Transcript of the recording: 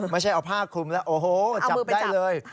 ไม่ใช่เอาผ้าคลุมแล้วโอ้โหจับได้เลย